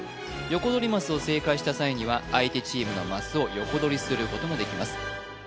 ヨコドリマスを正解した際には相手チームのマスを横取りすることができます